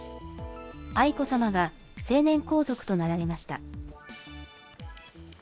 愛子さまが成年皇族となられました。